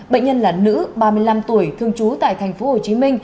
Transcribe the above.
bệnh nhân là nữ ba mươi năm tuổi thương chú tại tp hcm